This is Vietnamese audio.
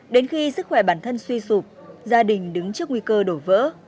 đến khi sức khỏe bản thân suy sụp gia đình đứng trước nguy cơ đổ vỡ